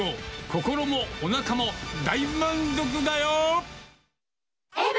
心もおなかも大満足だよ。